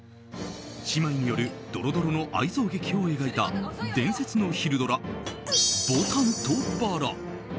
姉妹によるドロドロの愛憎劇を描いた伝説の昼ドラ「牡丹と薔薇」。